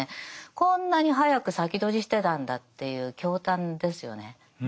こんなに早く先取りしてたんだっていう驚嘆ですよね。